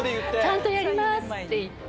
ちゃんとやりますって言って。